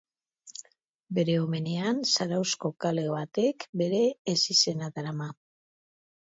Bere omenean, Zarauzko kale batek bere ezizena darama.